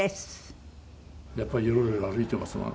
やっぱりよろよろ歩いてますが。